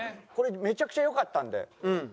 これめちゃくちゃ良かったんで。